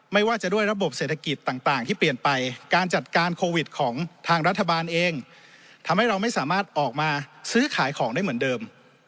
ไม่ว่าจะด้วยระบบเศรษฐกิจต่างที่เปลี่ยนไปการจัดการโควิดของทางรัฐบาลเองทำให้เราไม่สามารถออกมาซื้อขายของได้เหมือนเดิม